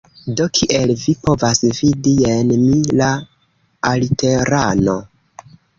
Do, kiel vi povas vidi, jen mi, la aliterano